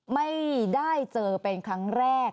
ไม่ได้เจอเป็นครั้งแรก